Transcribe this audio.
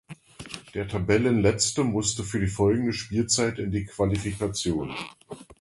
Der Tabellenletzte musste für die folgende Spielzeit in die Qualifikation.